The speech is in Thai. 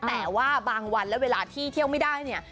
แต่ว่าบางวันและเวลาที่เที่ยวไม่ได้เนี่ย